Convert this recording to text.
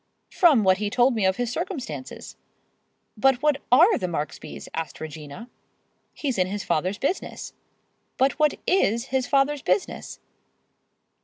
"From what he told me of his circumstances." "But what are the Marksbys?" asked Regina. "He's in his father's business." "But what is his father's business?"